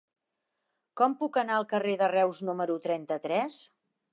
Com puc anar al carrer de Reus número trenta-tres?